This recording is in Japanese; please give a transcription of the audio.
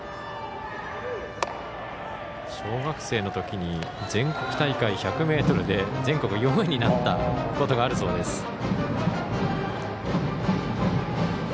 小学生のときに全国大会１００ｍで全国４位になったことがあるそうです。